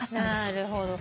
なるほど。